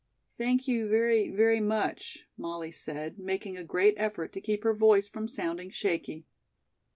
"Thank you very, very much," Molly said, making a great effort to keep her voice from sounding shaky.